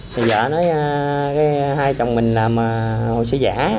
vợ nói hai chồng mình làm hồ sơ giả